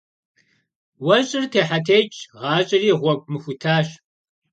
УэщIыр техьэ-текIщ, гъащIэри гъуэгу мыхутащ.